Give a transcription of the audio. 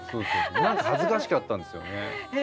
何か恥ずかしかったんですよね。